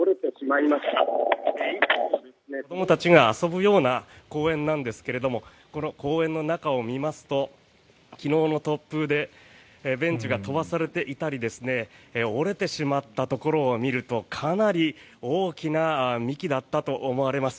いつもは子どもたちが遊ぶような公園なんですがこの公園の中を見ますと昨日の突風でベンチが飛ばされていたり折れてしまったところを見るとかなり大きな幹だったと思われます。